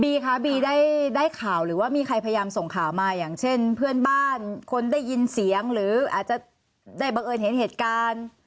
คะบีได้ข่าวหรือว่ามีใครพยายามส่งข่าวมาอย่างเช่นเพื่อนบ้านคนได้ยินเสียงหรืออาจจะได้บังเอิญเห็นเหตุการณ์